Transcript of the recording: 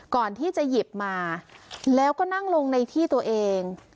ก่อนที่จะหยิบมาแล้วก็นั่งลงในที่ตัวเอง